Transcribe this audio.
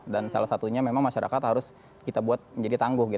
dan salah satunya memang masyarakat harus kita buat menjadi tangguh gitu kan